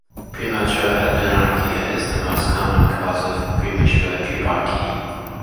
Premature adrenarche is the most common cause of premature pubarche.